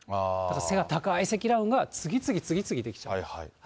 また高い積乱雲が次々、次々出来ちゃう。